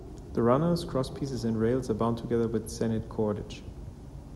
The runners, crosspieces, and rails are bound together with sennit cordage.